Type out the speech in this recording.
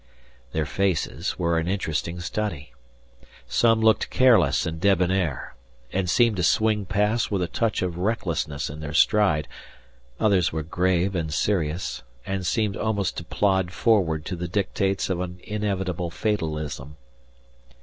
Their faces were an interesting study. Some looked careless and debonair, and seemed to swing past with a touch of recklessness in their stride, others were grave and serious, and seemed almost to plod forward to the dictates of an inevitable fatalism.